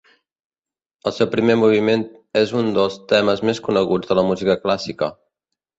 El seu primer moviment és un dels temes més coneguts de la música clàssica.